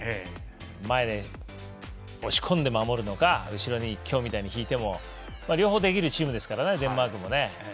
前で押し込んで守るのか後ろに今日みたいに引いても両方できるチームですからデンマークも。